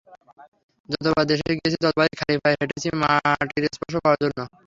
যতবার দেশে গিয়েছি, ততবারই খালি পায়ে হেঁটেছি মাটির স্পর্শ পাওয়ার জন্য।